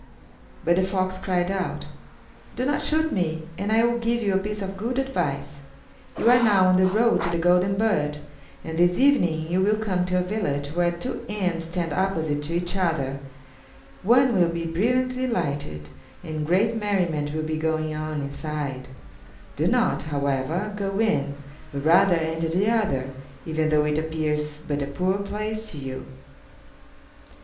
But the fox cried out: "Do not shoot me, and I will give you a piece of good advice! You are now on the road to the golden bird, and this evening you will come to a village where two inns stand opposite to each other one will be brilliantly lighted, and great merriment will be going on inside; do not, however, go in, but rather enter the other, even though it appears but a poor place to you."